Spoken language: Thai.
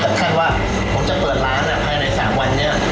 เผาแค่ว่าผมจะเปิดร้านนะภายใน๓วันเนี้ย